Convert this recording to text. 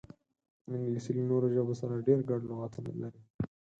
انګلیسي له نورو ژبو سره ډېر ګډ لغاتونه لري